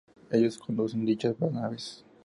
Ellos conducen dichas naves.